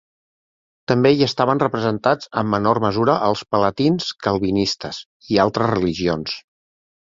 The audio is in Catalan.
També hi estaven representats en menor mesura els palatins calvinistes i altres religions.